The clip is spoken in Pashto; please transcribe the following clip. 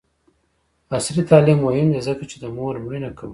عصري تعلیم مهم دی ځکه چې د مور مړینه کموي.